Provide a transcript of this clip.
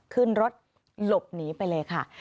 ขึ้นรถหลบหนีไปเลยค่ะ